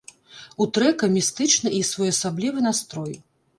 У трэка містычны і своеасаблівы настрой.